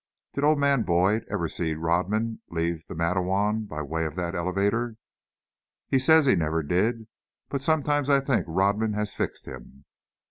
"Did old man Boyd ever see Rodman leave the Matteawan by way of that elevator?" "He says he never did, but sometimes I think Rodman has fixed him."